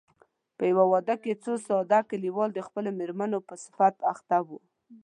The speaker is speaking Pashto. په يوه واده کې څو ساده کليوال د خپلو مېرمنو په صفت اخته وو.